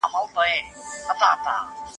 ده د لوست خپرولو هڅې زياتې کړې.